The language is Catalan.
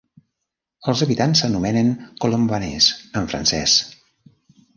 Els habitants s'anomenen "colombanais" en francès.